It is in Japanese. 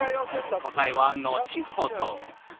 答えは、後ほど。